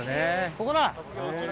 ここだ。